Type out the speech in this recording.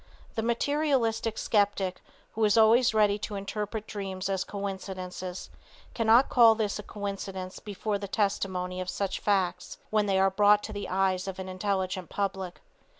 The materialistic skeptic who is always ready to interpret dreams as coincidences cannot call this a coincidence before the testimony of such facts when they are brought to the eyes of an intelligent public.